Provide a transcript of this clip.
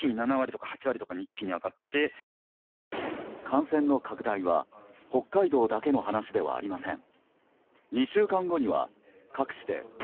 感染の拡大は北海道だけの話ではありません。